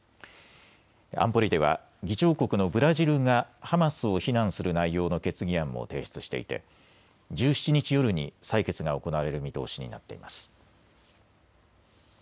安保理では議長国のブラジルがハマスを非難する内容の決議案も提出していて１７日夜に採決が行われる見通しになっています。